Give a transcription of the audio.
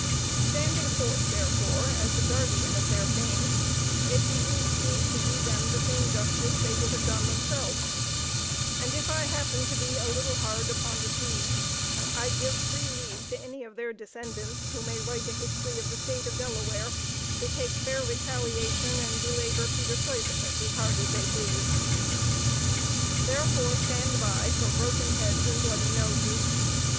Standing forth, therefore, as the guardian of their fame, it behoves me to do them the same justice they would have done themselves; and if I happen to be a little hard upon the Swedes, I give free leave to any of their descendants, who may write a history of the State of Delaware, to take fair retaliation, and belabor Peter Stuyvesant as hard as they please. Therefore stand by for broken heads and bloody noses!